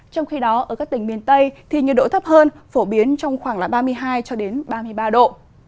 trong khi đó ở các tỉnh miền tây thì nhiệt độ thấp hơn phổ biến trong khoảng ba mươi hai ba mươi ba độ